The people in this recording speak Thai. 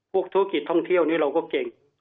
ธุรกิจท่องเที่ยวนี้เราก็เก่ง